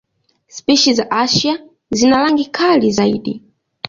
Spishi za Asia zina rangi kali zaidi.